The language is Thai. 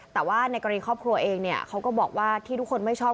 แต่ว่าในกรณีครอบครัวเองเนี่ยเขาก็บอกว่าที่ทุกคนไม่ชอบ